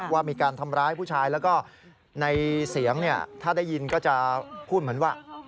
ว่ามีการทำร้ายผู้ชายแล้วก็ในเสียงเนี่ยถ้าได้ยินก็จะพูดเหมือนว่า